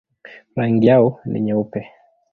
Rangi yao ni nyeupe.